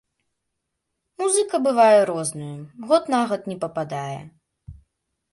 Музыка бывае рознаю, год на год не пападае.